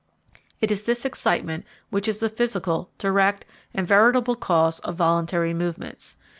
It is this excitement which is the physical, direct, and veritable cause of voluntary movements.